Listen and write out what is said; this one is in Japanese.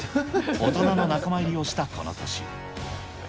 大人の仲間入りをしたこの年。